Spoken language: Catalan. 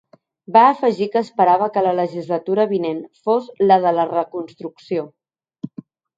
Va afegir que esperava que la legislatura vinent fos la de la “reconstrucció”.